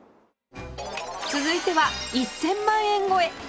続いては１０００万円超え！